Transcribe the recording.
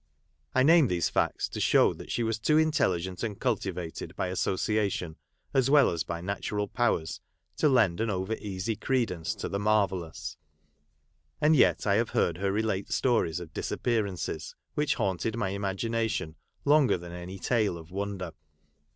I name these facts to show that she was too intelligent and cultivated by associa tion, as well as by natural powers, to lend an over easy credence to the marvellous ; and yet I have heard her relate stories of dis appearances which haunted my imagination longer than any tale of wonder.